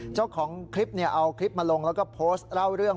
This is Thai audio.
เจ้าของคลิปเอาคลิปมาลงแล้วก็โพสต์เล่าเรื่อง